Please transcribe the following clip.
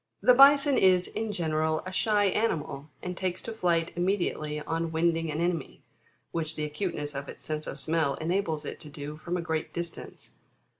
The Bison is, in general, a shy animal, and takes to flight immediately on wind ing an enemy, which the acuteness of its sense of smell enables it to do from a great distance.